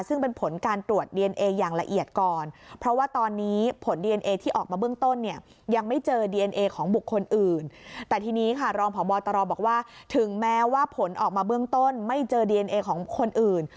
ซึ่งเป็นผลการตรวจดีเอนเออย่างละเอียดก่อน